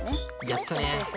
やったね。